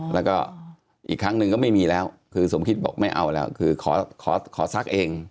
แล้วก็อีกครั้งหนึ่งก็ไม่มีแล้วคือสมคิดบอกไม่เอาแล้วคือขอซักเอง